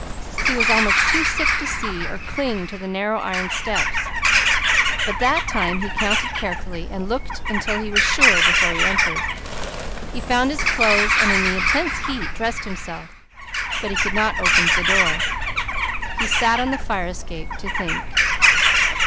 He was almost too sick to see or cling to the narrow iron steps, but that time he counted carefully, and looked until he was sure before he entered. He found his clothes, and in the intense heat dressed himself, but he could not open the door. He sat on the fire escape to think.